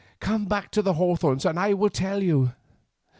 "Come back to the hawthorns and I will tell you."